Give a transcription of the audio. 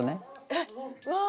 えっわあ！